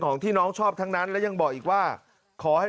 ของน้องที่น้องชอบทั้งนั้นและยังบอกอีกว่าขอให้